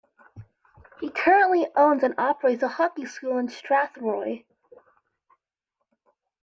He currently owns and operates a hockey school in Strathroy.